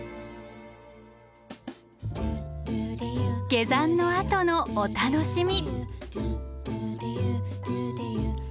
下山のあとのお楽しみ。